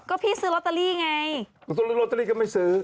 ก็พี่ซื้อลอตเตอรี่ไงลอตเตอรี่ก็ไม่ซื้อ